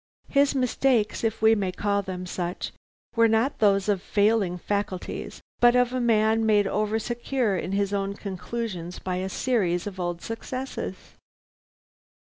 His mistakes, if we may call them such, were not those of failing faculties, but of a man made oversecure in his own conclusions by a series of old successes.